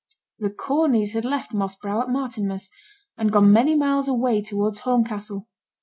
The Corneys had left Moss Brow at Martinmas, and gone many miles away towards Horncastle.